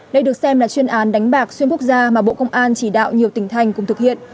đây được xem là chuyên án đánh bạc xuyên quốc gia mà bộ công an chỉ đạo nhiều tỉnh thành cùng thực hiện